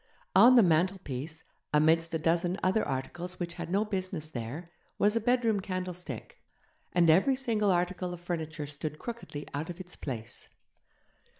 On the mantelpiece, amidst a dozen other articles which had no business there, was a bedroom candlestick; and every single article of furniture stood crookedly out of its place.